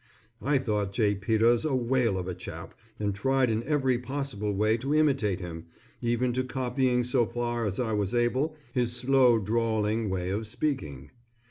I thought J. Peters a whale of a chap and tried in every possible way to imitate him, even to copying so far as I was able his slow drawling way of speaking.